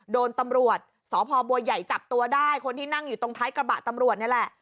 โดนตำรวจสพบัวใหญ่จับตัวได้คนที่นั่งอยู่ตรงท้ายกระบะตำรวจนี่แหละ